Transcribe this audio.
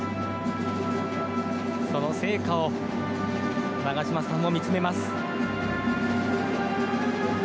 その聖火を長嶋さんも見つめます。